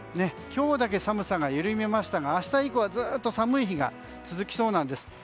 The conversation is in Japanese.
今日だけ寒さが緩みましたが明日以降はずっと寒い日が続きそうなんです。